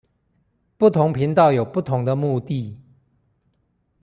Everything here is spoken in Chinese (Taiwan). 不同頻道有不同的目的